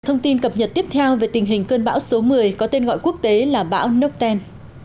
thông tin cập nhật tiếp theo về tình hình cơn bão số một mươi có tên gọi quốc tế là bão nukten